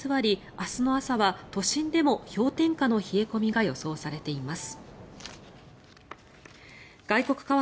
明日の朝は都心でも氷点下の冷え込みが予想されています。